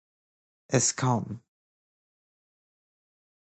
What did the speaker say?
اسکان